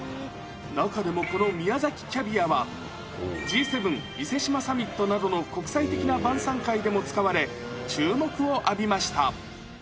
中でもこの宮崎キャビアは、Ｇ７伊勢志摩サミットなどの国際的な晩さん会でも使われ、注目を浴びました。